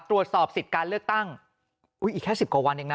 ตรวจสอบสิทธิ์การเลือกตั้งอุ้ยอีกแค่สิบกว่าวันเองนะ